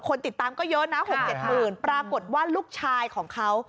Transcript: ติดตามก็เยอะนะ๖๗หมื่นปรากฏว่าลูกชายของเขา